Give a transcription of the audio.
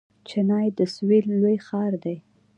چنای د سویل لوی ښار دی.